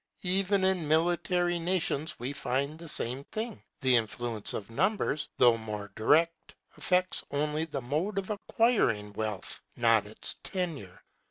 Even in military nations we find the same thing; the influence of numbers, though more direct, affects only the mode of acquiring wealth, not its tenure.